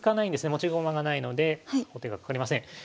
持ち駒がないので王手がかかりません。